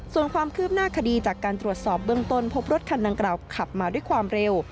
ส่วนความคืบหน้าคดีจากการตรวจสอบเบื้องต้นพบรถคันดังกล่าวขับมาด้วยความเร็ว